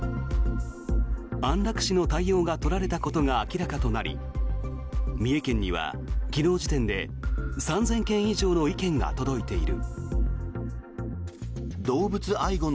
安楽死の対応が取られたことが明らかとなり三重県には昨日時点で３０００件以上の意見が届いている。